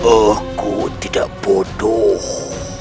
aku tidak bodoh